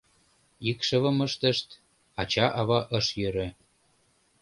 Икшывым ыштышт — ача-ава ыш йӧрӧ.